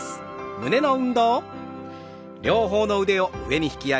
胸の運動です。